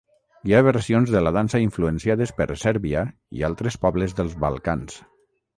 Hi ha versions de la dansa influenciades per Sèrbia i altres pobles dels Balcans.